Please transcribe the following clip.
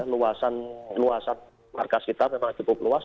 luasan luasan markas kita memang cukup luas